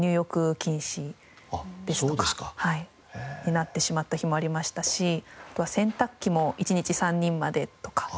なってしまった日もありましたしあとは洗濯機も１日３人までとか。